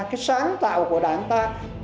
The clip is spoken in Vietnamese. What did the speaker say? cái sáng tạo của đảng ta